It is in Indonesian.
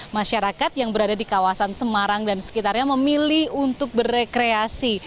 masyarakat yang berada di kawasan semarang dan sekitarnya memilih untuk berrekreasi